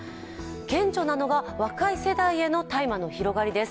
顕著なのが若い世代への大麻の広がりです。